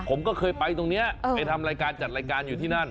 ผมก็เคยไปตรงนี้ไปทำรายการจัดรายการอยู่ที่นั่น